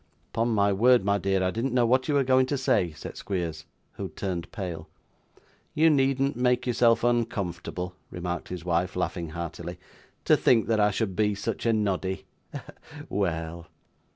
'Upon my word, my dear, I didn't know what you were going to say,' said Squeers, who had turned pale. 'You needn't make yourself uncomfortable,' remarked his wife, laughing heartily. 'To think that I should be such a noddy! Well!